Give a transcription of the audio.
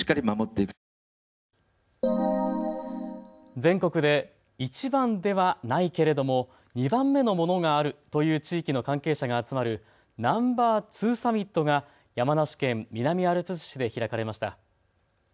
全国で１番ではないけれども２番目のものがあるという地域の関係者が集まるＮｏ．２サミットが山梨県南アルプス市で開かれました。